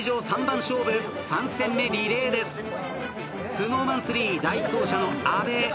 ＳｎｏｗＭａｎ３第１走者の阿部。